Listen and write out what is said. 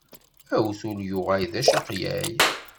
Awtul yuɣal d ačaqlal.